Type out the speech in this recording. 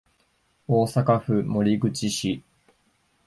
大阪府守口市